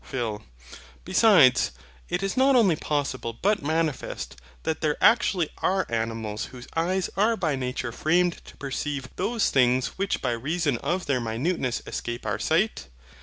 PHIL. Besides, it is not only possible but manifest, that there actually are animals whose eyes are by nature framed to perceive those things which by reason of their minuteness escape our sight.